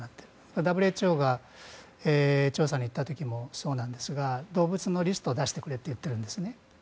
ＷＨＯが調査に行った時もそうなんですが動物のリストを出してくれと言っているんですね。